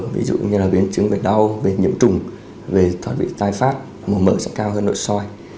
ví dụ như là biến chứng bệnh đau bệnh nhiễm trùng về thoát vị tai phát mổ mở sẽ cao hơn nội soi